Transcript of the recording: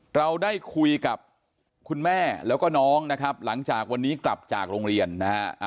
เราได้คุยกับคุณแม่แล้วก็น้องนะครับหลังจากวันนี้กลับจากโรงเรียนนะฮะ